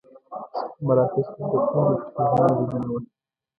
مراکش په زړه پورې خو ستونزمنه لیدنه وه.